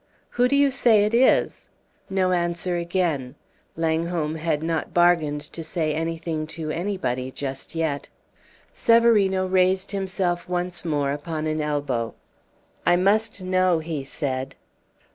"Who do you say it is?" No answer again. Langholm had not bargained to say anything to anybody just yet. Severino raised himself once more upon an elbow. "I must know!" he said.